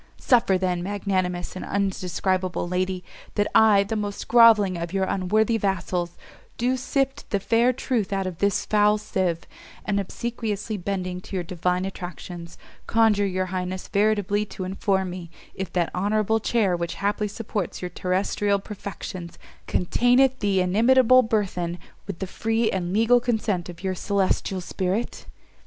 Suffer then, magnanimous and undescribable lady! that I, the most groveling of your unworthy vassals, do sift the fair truth out of this foul sieve, and obsequiously bending to your divine attractions, conjure your highness veritably to inform me, if that honourable chair which haply supports your terrestrial perfections, containeth the inimitable burthen with the free and legal consent of your celestial spirit?"